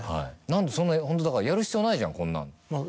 何でそんなホントだからやる必要ないじゃんこんなん。